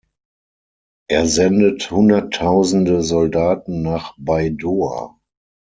Er sendet Hunderttausende Soldaten nach Baidoa.